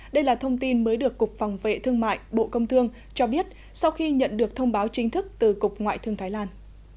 đây là thông tin mới được cục phòng vệ thương mại bộ công thương cho biết sau khi nhận được thông báo chính thức từ cục ngoại thương thái lan